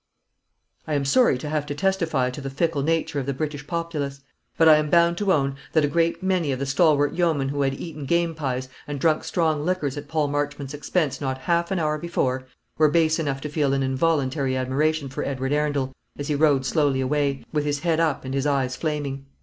I am sorry to have to testify to the fickle nature of the British populace; but I am bound to own that a great many of the stalwart yeomen who had eaten game pies and drunk strong liquors at Paul Marchmont's expense not half an hour before, were base enough to feel an involuntary admiration for Edward Arundel, as he rode slowly away, with his head up and his eyes flaming.